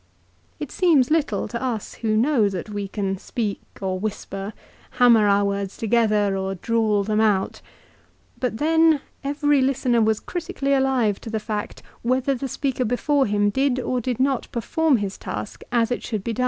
It seems little to us who know that we can speak or whisper, hammer our words together, or drawl them out. But then every listener was critically alive to the fact whether the speaker before him did or did not perform his task as it should be done.